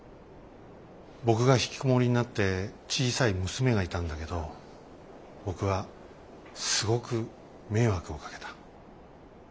僕がひきこもりになって小さい娘がいたんだけど僕はすごく迷惑をかけた。